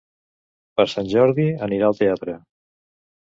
Per Sant Jordi anirà al teatre.